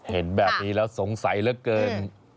เห็นแบบนี้แล้วสงสัยเหลือเกิน